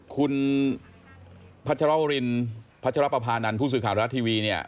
คุณพัชรวรินพัชรปภานันทร์ผู้สื่อข่าวรัฐทีวีเนี่ย